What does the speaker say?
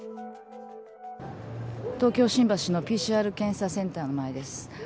東京、新橋のＰＣＲ検査センターの前です。